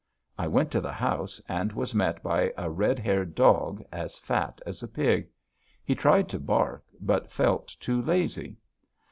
I went to the house and was met by a red haired dog, as fat as a pig. He tried to bark but felt too lazy.